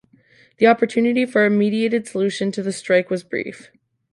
The opportunity for a mediated solution to the strike was brief.